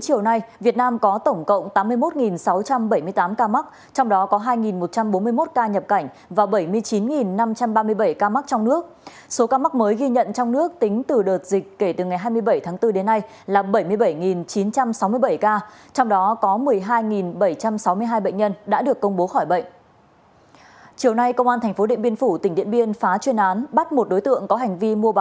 xin chào và hẹn gặp lại